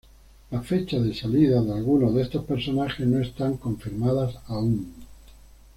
La fecha de salida de algunos de estos personajes no está confirmada aún.